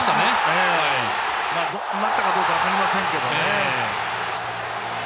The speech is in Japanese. なったかどうか分かりませんけど。